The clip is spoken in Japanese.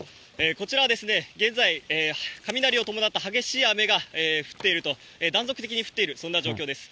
こちらはですね、現在、雷を伴った激しい雨が降っていると、断続的に降っている、そんな状況です。